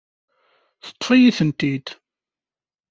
Teṭṭef-iyi-tent-id.